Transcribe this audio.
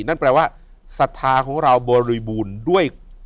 นั่นแปลว่าศรัทธาของเราบริบูรณ์ด้วย